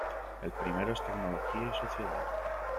El primero es tecnología y sociedad.